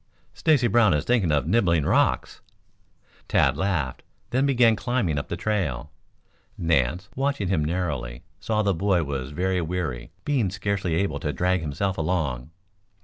"Stacy Brown is thinking of nibbling rocks." Tad laughed, then began climbing up the trail. Nance, watching him narrowly, saw that the boy was very weary, being scarcely able to drag himself along.